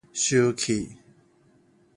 受氣